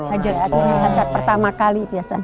hajat pertama kali biasa